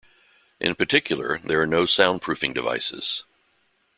In particular, there are no soundproofing devices.